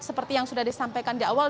seperti yang sudah disampaikan di awal